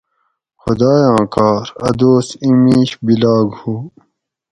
خُدایاۤں کار اۤ دوس اِیں مِیش بِلاگ ہُو